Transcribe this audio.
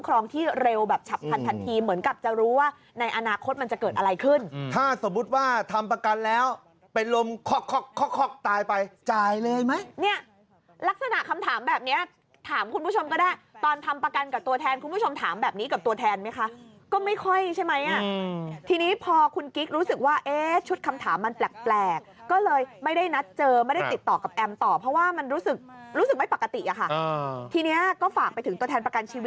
ครองที่เร็วแบบชับพันทันทีเหมือนกับจะรู้ว่าในอนาคตมันจะเกิดอะไรขึ้นถ้าสมมุติว่าทำประกันแล้วเป็นลมค็อกค็อกค็อกค็อกตายไปจ่ายเลยไหมเนี้ยลักษณะคำถามแบบเนี้ยถามคุณผู้ชมก็ได้ตอนทำประกันกับตัวแทนคุณผู้ชมถามแบบนี้กับตัวแทนไหมคะก็ไม่ค่อยใช่ไหมอ่ะอืมทีนี้พอคุณกิ๊กรู้สึก